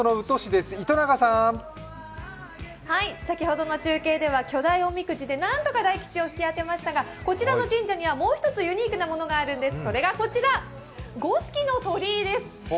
先ほどの中継では巨大おみくじでなんとか大吉を引き当てましたが、こちらの神社にはもう１つユニークなものがあるんです、それがこちら、五色の鳥居です。